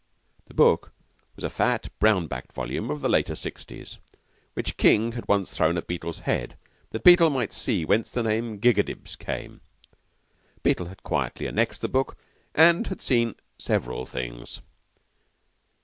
The book was a fat, brown backed volume of the later Sixties, which King had once thrown at Beetle's head that Beetle might see whence the name Gigadibs came. Beetle had quietly annexed the book, and had seen several things.